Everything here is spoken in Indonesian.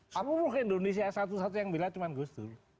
semua indonesia satu satu yang membela cuma gus dur